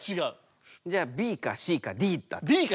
じゃあ「Ｂ」か「Ｃ」か「Ｄ」だ。